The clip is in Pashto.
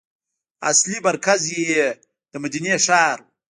اصلي مرکز یې د مدینې ښار و.